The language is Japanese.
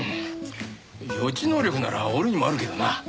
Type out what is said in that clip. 予知能力なら俺にもあるけどな。